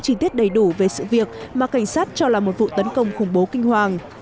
chi tiết đầy đủ về sự việc mà cảnh sát cho là một vụ tấn công khủng bố kinh hoàng